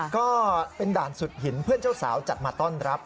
ก็เป็นด่านสุดหินเพื่อนเจ้าสาวจัดมาต้อนรับ